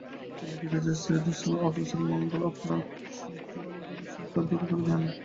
তিনি লিখিতেছেন, শ্রীচরণাশীর্বাদে অত্রস্থ মঙ্গল, আপনকার কুশলসমাচারে আমাদের চিন্তা দূর করিবেন।